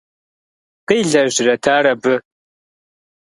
Къилэжьрэт ар абы?